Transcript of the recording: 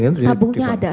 tabungnya ada saya ingat